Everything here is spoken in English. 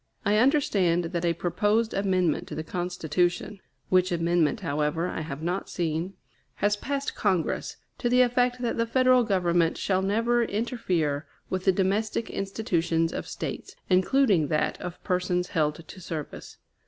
I understand that a proposed amendment to the Constitution (which amendment, however, I have not seen) has passed Congress, to the effect that the Federal Government shall never interfere with the domestic institutions of States, including that of persons held to service.